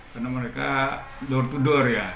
karena mereka door to door ya